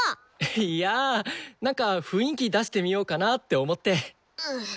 いやなんか雰囲気出してみようかなぁって思って。